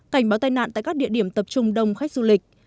cảnh báo tai nạn tại các địa điểm tập trung đông khách du lịch